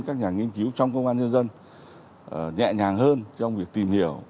các nhà nghiên cứu trong công an nhân dân nhẹ nhàng hơn trong việc tìm hiểu